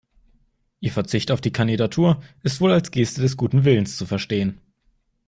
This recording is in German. Ihr Verzicht auf die Kandidatur ist wohl als Geste des guten Willens zu verstehen.